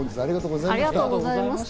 ありがとうございます。